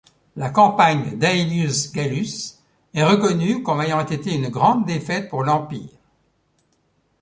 La campagne d'Aelius Gallus est reconnue comme ayant été une grande défaite pour l'Empire.